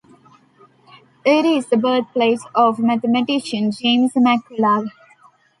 It is the birthplace of mathematician James MacCullagh.